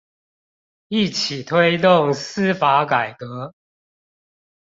一起推動司法改革